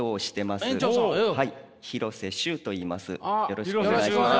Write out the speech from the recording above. よろしくお願いします。